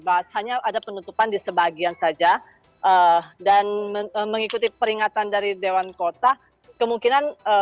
bahasanya ada penutupan di sebagian saja dan mengikuti peringatan dari dewan kota kemungkinan